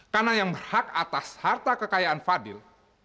karena yang berhak atas harta kekayaan fadil